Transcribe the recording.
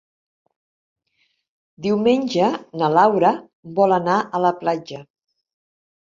Diumenge na Laura vol anar a la platja.